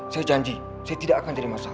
saya janji saya tidak akan jadi masalah